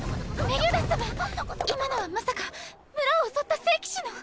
今のはまさか村を襲った聖騎士の？